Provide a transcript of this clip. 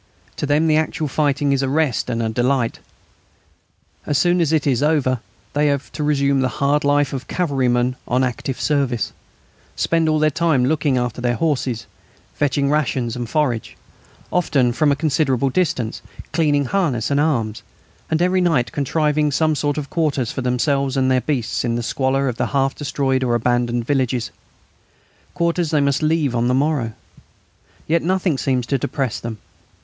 To them the actual fighting is a rest and a delight. As soon as it is over they have to resume the hard life of cavalrymen on active service, spend all their time looking after their horses, fetching rations and forage, often from a considerable distance, cleaning harness and arms, and every night contriving some sort of quarters for themselves and their beasts in the squalor of half destroyed or abandoned villages, quarters they must leave on the morrow. Yet nothing seems to depress them.